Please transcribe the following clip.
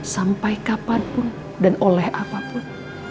sampai kapanpun dan oleh apapun